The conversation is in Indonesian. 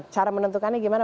cara menentukannya gimana